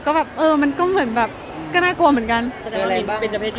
ก็แบบเออมันก็เหมือนแบบก็น่ากลัวเหมือนกันเป็นเจ้าเพศที่หกหรอ